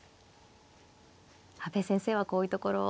阿部先生はこういうところ。